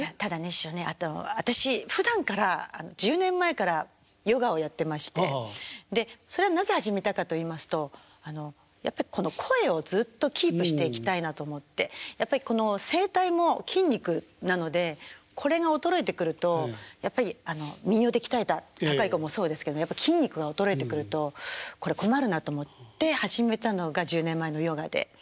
師匠あと私ふだんから１０年前からヨガをやってましてそれはなぜ始めたかといいますとやっぱこの声をずっとキープしていきたいなと思ってやっぱりこの声帯も筋肉なのでこれが衰えてくるとやっぱり民謡で鍛えた高い声もそうですけどやっぱり筋肉が衰えてくるとこれ困るなと思って始めたのが１０年前のヨガで。